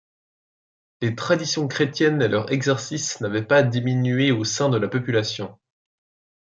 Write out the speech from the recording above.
Les traditions chrétiennes et leur exercice n’avaient pas diminuées au sein de la population.